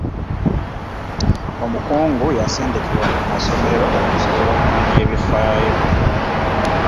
Omukungu yasindikibwa mu masomero okusobola okumanya ebifaayo.